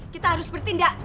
kita harus bertindak